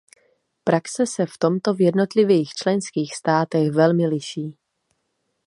Praxe se v tomto v jednotlivých členských státech velmi liší.